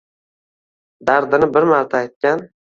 Dardini bir marta aytgan.